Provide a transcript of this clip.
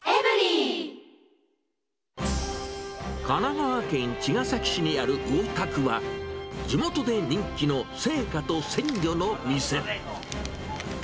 神奈川県茅ヶ崎市にある魚卓は、地元で人気の青果と鮮魚の店。